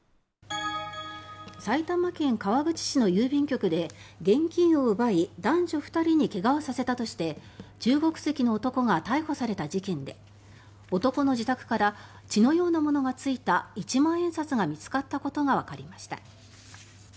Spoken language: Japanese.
埼玉県川口市の郵便局で現金を奪い男女２人に怪我をさせたとして中国籍の男が逮捕された事件で男の自宅から血のようなものがついた一万円札が見つかったことがわかりました。